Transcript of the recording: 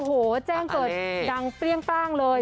โหแจ้งเกิดดังเปรี้ยงตั้งเลย